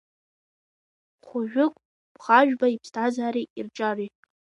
Хәыхәыт Бӷажәба иԥсҭазаареи ирҿиареи.